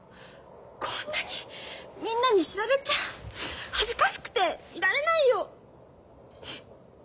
こんなにみんなに知られちゃ恥ずかしくていられないよ。